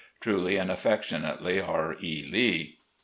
" Truly and affectionately, "R. E. Lee.